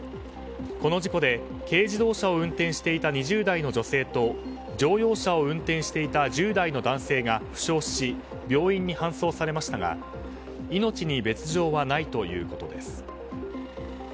この事故で軽自動車を運転していた２０代の女性と乗用車を運転していた１０代の男性が負傷し病院に搬送されましたが命に別条はないということです。